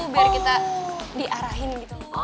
biar kita diarahin gitu